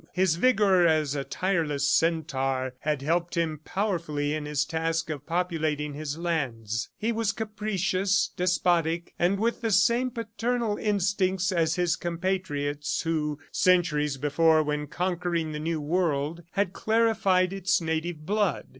His vigor as a tireless centaur had helped him powerfully in his task of populating his lands. He was capricious, despotic and with the same paternal instincts as his compatriots who, centuries before when conquering the new world, had clarified its native blood.